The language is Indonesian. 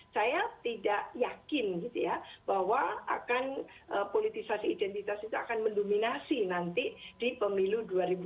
saya tidak yakin gitu ya bahwa akan politisasi identitas itu akan mendominasi nanti di pemilu dua ribu dua puluh